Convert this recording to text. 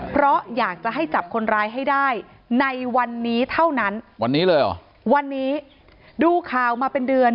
เพราะอยากจะให้จับคนร้ายให้ได้ในวันนี้เท่านั้นวันนี้เลยเหรอวันนี้ดูข่าวมาเป็นเดือน